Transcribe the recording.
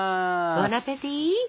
ボナペティ！